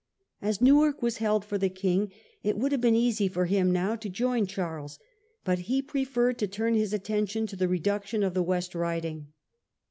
As Newark was held for the king it would have been easy for him now to join Charles, but he preferred to turn his attention to the reduction of the West Riding.